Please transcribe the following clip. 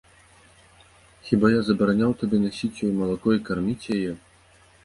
Хіба я забараняў табе насіць ёй малако і карміць яе?